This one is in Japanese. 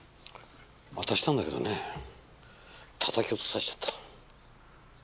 渡したんだけどね叩き落とされちゃった。